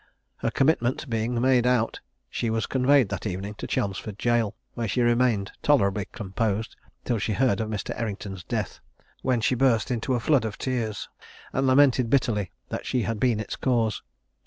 Her commitment being made out, she was conveyed that evening to Chelmsford jail, where she remained tolerably composed till she heard of Mr. Errington's death, when she burst into a flood of tears, and lamented bitterly that she had been its cause.